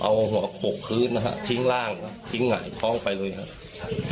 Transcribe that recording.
เอาหัวโขกพื้นนะฮะทิ้งร่างครับทิ้งหงายท้องไปเลยครับ